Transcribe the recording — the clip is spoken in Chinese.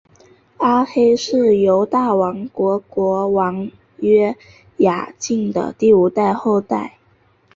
阿黑是犹大王国国王约雅敬的第五代的后代。